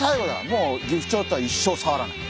もうギフチョウとは一生さわらない。